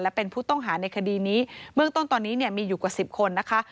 และเป็นผู้ต้องหาในคดีนี้เบื้องต้นตอนนี้เนี่ยมีอยู่กว่าสิบคนนะคะ